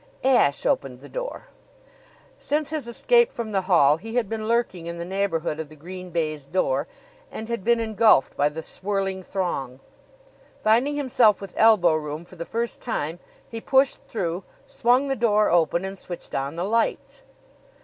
Ashe opened the door. Since his escape from the hall he had been lurking in the neighborhood of the green baize door and had been engulfed by the swirling throng. Finding himself with elbowroom for the first time, he pushed through, swung the door open and switched on the lights.